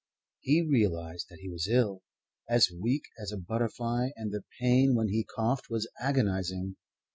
He realized that he was ill, as weak as a butterfly; and the pain when he coughed was agonizing.